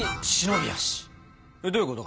どういうこと？